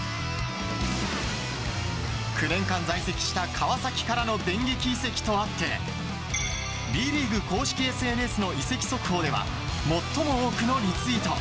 ９年間在籍した川崎からの電撃移籍とあってＢリーグ公式ＳＮＳの移籍速報では最も多くのリツイート。